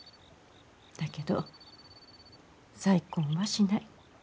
だけど再婚はしない。